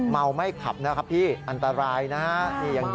เมาไม่ขับนะครับพี่อันตรายนะฮะ